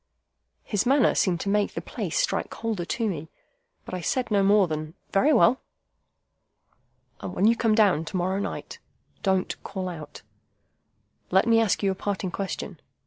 His manner seemed to make the place strike colder to me, but I said no more than, "Very well." "And when you come down to morrow night, don't call out! Let me ask you a parting question.